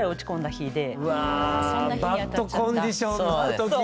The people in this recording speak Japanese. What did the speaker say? バッドコンディションの時に。